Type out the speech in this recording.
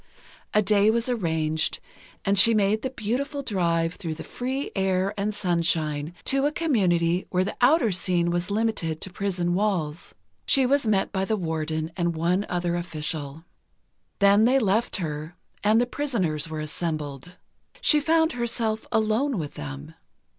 A day was arranged, and she made the beautiful drive through the free air and sunshine, to a community where the outer scene was limited to prison walls. She was met by the Warden and one other official. Then they left her, and the prisoners were assembled. She found herself alone with them.